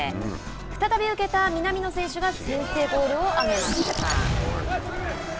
再び受けた南野選手が先制ゴールをあげました。